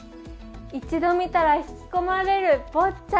一度見たら引き込まれるボッチャ。